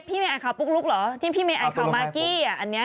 ไม่อ่านข่าวปุ๊กลุ๊กเหรอที่พี่เมย์อ่านข่าวมากกี้อ่ะอันนี้